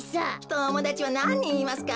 ともだちはなんにんいますか？